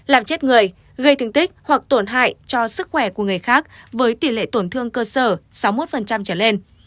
làm chết người gây thương tích hoặc tổn hại cho sức khỏe của người khác với tỷ lệ tổn thương cơ sở sáu mươi một trở lên